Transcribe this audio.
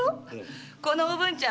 このおぶんちゃんはね